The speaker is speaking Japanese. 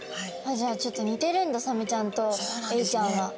じゃあちょっと似てるんだサメちゃんとエイちゃんは。